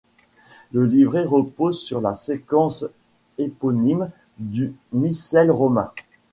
Le livret repose sur la séquence éponyme du missel romain.